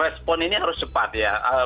respon ini harus cepat ya